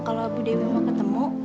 kalau bu dewi mau ketemu